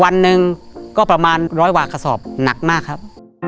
วันหนึ่งก็ประมาณร้อยกว่ากระสอบหนักมากครับ